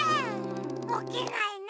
おきないな。